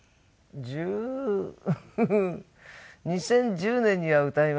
１０２０１０年には歌いました。